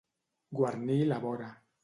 Guarnir la vora.